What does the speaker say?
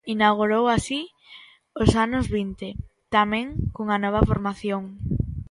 Inaugurou así os anos vinte, tamén cunha nova formación.